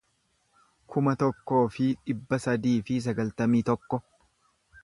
kuma tokkoo fi dhibba sadii fi sagaltamii tokko